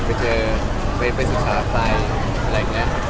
ไปศึกษาไฟล์อะไรอย่างเงี้ย